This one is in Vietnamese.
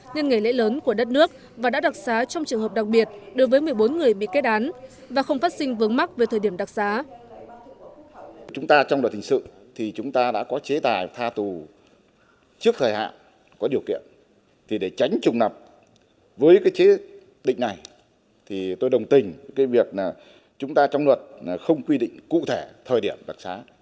nhân nghề lễ lớn của đất nước và đã đặc xá trong trường hợp đặc biệt đối với một mươi bốn người bị kết án và không phát sinh vướng mắt về thời điểm đặc xá